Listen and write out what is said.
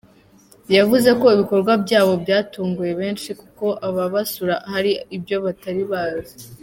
Yvuze ko ibikorwa byabo byatunguye benshi kuko ababasura hari ibyo batari bazi.